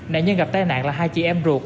nạn nhân gặp tai nạn là hai chị em ruột